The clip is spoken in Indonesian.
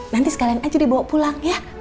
nanti sekalian aja dibawa pulang ya